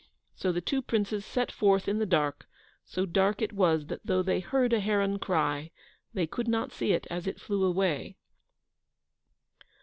So the two princes set forth in the dark, so dark it was that though they heard a heron cry, they could not see it as it flew away.